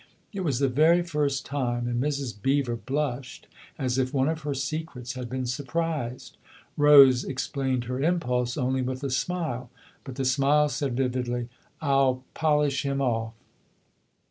It was the very first time, and Mrs. Beever blushed as if one of her secrets had been surprised. Rose explained her impulse only with a smile ; but the smile said vividly: " I'll polish him off!